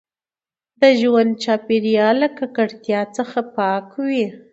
د ژوند چاپیریال له ککړتیا څخه پاک وي.